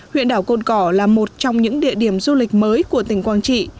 huyện đảo côn cỏ là một trong những địa điểm du lịch mới của tỉnh quang trị